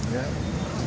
dan seperti biasa